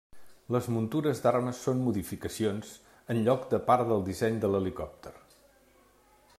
Les muntures d'armes són modificacions, en lloc de part del disseny de l'helicòpter.